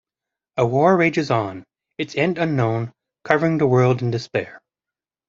A war rages on, its end unknown, covering the world in despair.